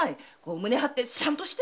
胸張ってシャンとして！